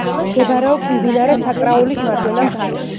მდებარეობს მდინარე საკრაულის მარჯვენა მხარეს.